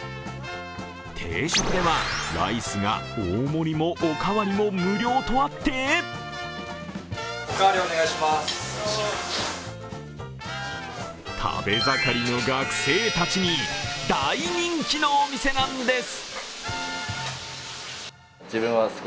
定食ではライスが大盛りもおかわりも無料とあって食べ盛りの学生たちに大人気のお店なんです。